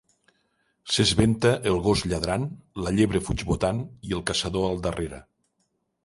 S’esventa el gos lladrant, la llebre fuig botant, i el caçador al darrere.